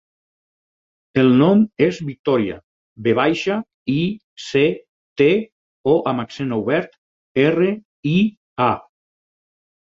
El nom és Victòria: ve baixa, i, ce, te, o amb accent obert, erra, i, a.